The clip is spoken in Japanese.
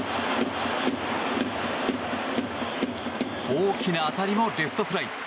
大きな当たりもレフトフライ。